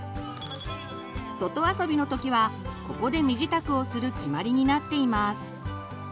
外遊びの時はここで身支度をする決まりになっています。